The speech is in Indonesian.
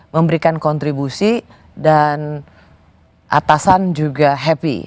memberikan kontribusi dan atasan juga happy